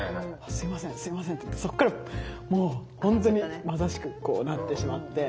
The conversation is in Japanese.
「すいませんすいません」って言ってそこからもう本当にまさしくこうなってしまって。